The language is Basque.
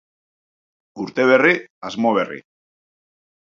Urte berri, asmo berri.